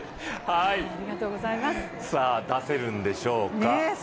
さあ、出せるんでしょうか。